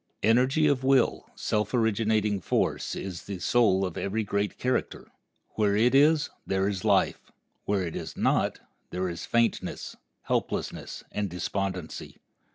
Energy of will, self originating force, is the soul of every great character. Where it is, there is life; where it is not, there is faintness, helplessness, and despondency.